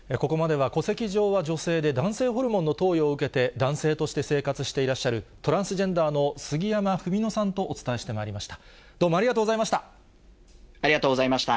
ここまでは、戸籍上は女性で男性ホルモンの投与を受けて、男性として生活していらっしゃる、トランスジェンダーの杉山文野さんとお伝えしてまいりました。